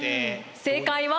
正解は。